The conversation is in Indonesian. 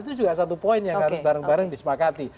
itu juga satu poin yang harus bareng bareng disepakati